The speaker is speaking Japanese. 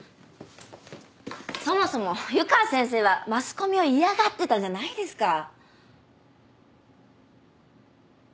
そもそも湯川先生はマスコミを嫌がってたじゃないですか？